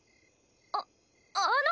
ああの！